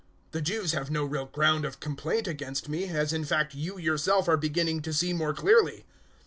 The Jews have no real ground of complaint against me, as in fact you yourself are beginning to see more clearly.